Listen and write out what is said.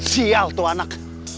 sial tuh anak